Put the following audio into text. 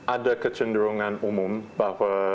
ada kecenderungan umum bahwa